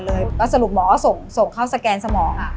แล้วสรุปหมอก็ส่งเข้าสแกนสมอง